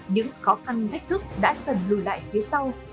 những khó khăn thách thức đã dần lùi lại phía sau